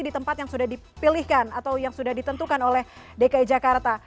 di tempat yang sudah dipilihkan atau yang sudah ditentukan oleh dki jakarta